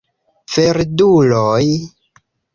Verduloj